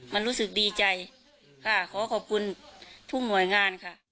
มันรู้สึกดีใจค่ะขอขอบคุณทุกหน่วยงานค่ะ